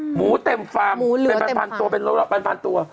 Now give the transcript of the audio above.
หมูเต็มฟังหมูเหลือเต็มฟัง